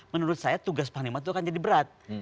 menurut saya tugas panglima itu akan jadi berat